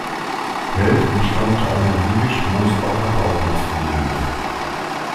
Held entstammte einer jüdischen Mosbacher Kaufmannsfamilie.